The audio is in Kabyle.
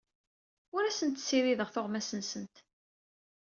Ur asent-ssirideɣ tuɣmas-nsent.